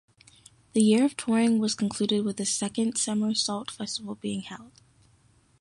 The year of touring was concluded with the second Summersault festival being held.